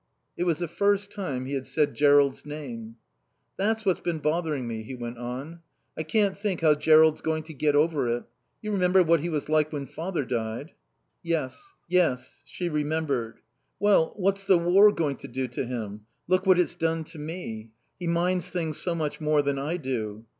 It was the first time he had said Jerrold's name. "That's what's been bothering me," he went on. "I can't think how Jerrold's going to get over it. You remember what he was like when Father died?" "Yes." She remembered. "Well what's the War going to do to him? Look what it's done to me. He minds things so much more than I do."